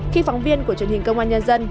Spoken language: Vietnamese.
khi phóng viên của truyền hình công an nhân dân